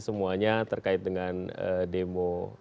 semuanya terkait dengan demo